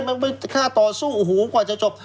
มันไปฆ่าต่อสู้อูหูกว่าจะจบ